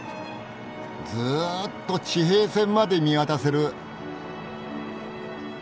ずっと地平線まで見渡せる。